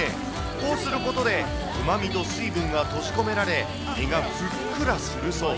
こうすることで、うまみと水分が閉じ込められ、身がふっくらするそう。